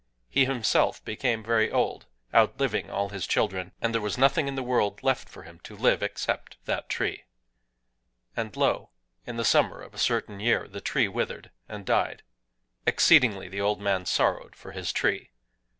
He himself became very old,—outliving all his children; and there was nothing in the world left for him to love except that tree. And lo! in the summer of a certain year, the tree withered and died! Exceedingly the old man sorrowed for his tree.